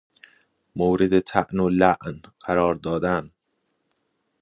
مورد طعن و لعن قرار دادن